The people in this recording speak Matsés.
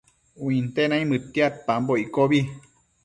Uinte naimëdtiadpambo iccobi